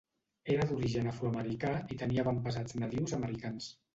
Era d'origen afroamericà i tenia avantpassats nadius americans.